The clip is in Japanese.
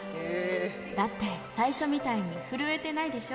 だって、最初みたいに震えてない